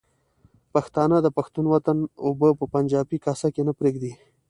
پښتانه د پښتون وطن اوبه په پنجابي کاسه کې نه پرېږدي.